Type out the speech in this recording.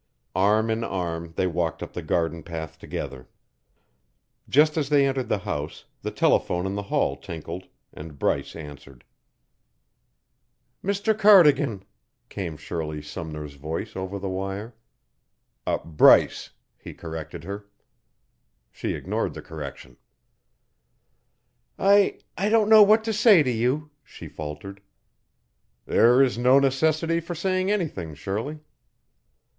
Arm in arm they walked up the garden path together. Just as they entered the house, the telephone in the hall tinkled, and Bryce answered. "Mr. Cardigan," came Shirley Sumner's voice over the wire. "Bryce," he corrected her. She ignored the correction, "I I don't know what to say to you," she faltered. "There is no necessity for saying anything, Shirley."